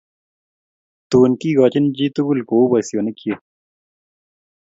Tun kigoochin chi tugul ko u boisyonikyik.